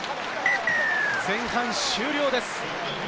前半終了です。